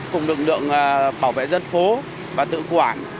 cùng lực lượng bảo vệ dân phố và tự quản